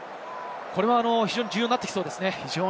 これは非常に重要になってきそうですね。